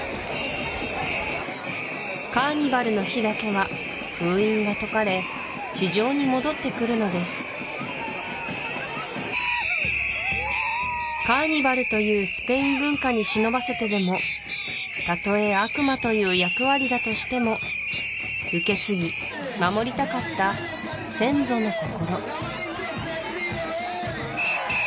カーニバルの日だけは封印が解かれ地上に戻ってくるのですカーニバルというスペイン文化に忍ばせてでもたとえ悪魔という役割だとしても受け継ぎ守りたかった先祖の心